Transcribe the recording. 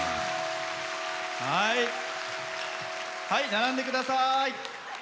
並んでください。